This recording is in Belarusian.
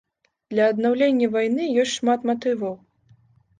Для аднаўлення вайны ёсць шмат матываў.